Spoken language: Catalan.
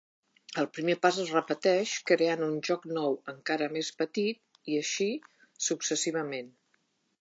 El primer pas es repeteix, creant un joc nou encara més petit, i així successivament.